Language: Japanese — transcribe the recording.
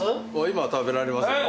今食べられますよ。